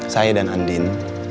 saya dan andin